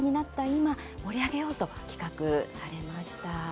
今盛り上げようと企画されました。